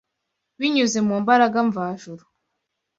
Binyuze mu mbaraga mvajuru